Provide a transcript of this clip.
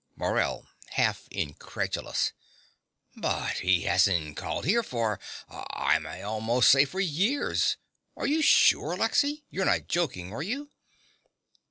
MORELL (half incredulous). But he hasn't called here for I may almost say for years. Are you sure, Lexy? You're not joking, are you?